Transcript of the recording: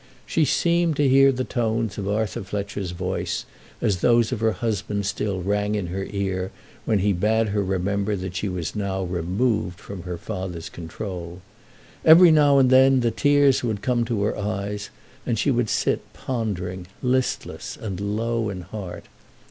She seemed to hear the tones of Arthur Fletcher's voice, as those of her husband still rang in her ear when he bade her remember that she was now removed from her father's control. Every now and then the tears would come to her eyes, and she would sit pondering, listless, and low in heart.